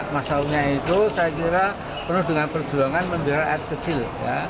masa lalunya itu saya kira penuh dengan perjuangan membela ad kecil